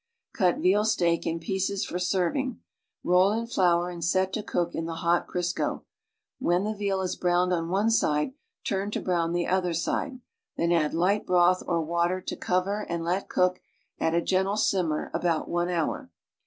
Cut veal steak in pieces for serving; roll in flour anrl set to cook in the hot Crisco; when the veal is browned on one side, turn to brown the other side, then add light broth or water to cover and let cook at a gentle simmer about one hour.